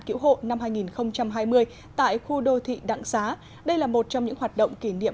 cứu hộ năm hai nghìn hai mươi tại khu đô thị đặng xá đây là một trong những hoạt động kỷ niệm